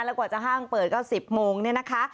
แล้วกว่าจะห้างเปิดก็๑๐โมงเนี่ยนะคะ